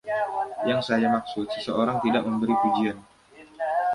Yang saya maksud, seseorang tidak memberi pujian.